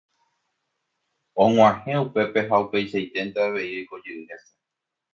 Og̃uahẽ upépe ha upeichaiténte avei oikojey hese.